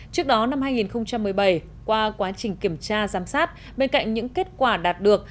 trước đó năm hai nghìn một mươi bảy qua quá trình kiểm tra giám sát bên cạnh những kết quả đạt được